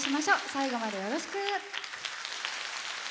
最後までよろしく！